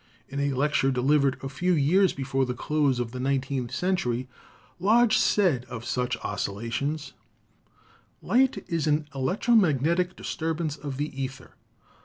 In a lecture delivered a few years before the close of the nine teenth century Lodge said of such oscillations : "Light is an electro magnetic disturbance of the ether.